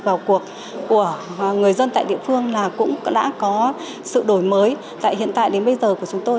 vào cuộc của người dân tại địa phương là cũng đã có sự đổi mới tại hiện tại đến bây giờ của chúng tôi